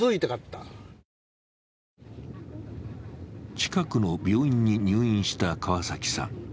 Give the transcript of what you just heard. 近くの病院に入院した川崎さん。